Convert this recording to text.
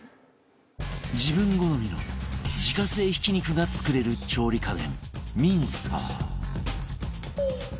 自分好みの自家製ひき肉が作れる調理家電ミンサー